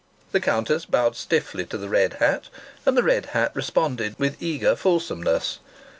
The Countess bowed stiffly to the red hat, and the red hat responded with eager fulsomeness.